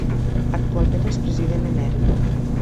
Actualment és president emèrit.